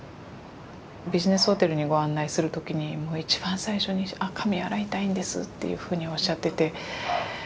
ビジネスホテルにご案内する時に一番最初にっていうふうにおっしゃってて。